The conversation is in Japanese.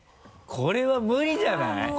これは無理じゃない？